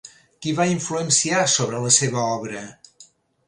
Qui va influenciar sobre la seva obra?